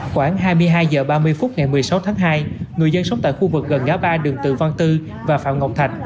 khoảng hai mươi hai h ba mươi phút ngày một mươi sáu tháng hai người dân sống tại khu vực gần ngã ba đường từ văn tư và phạm ngọc thạch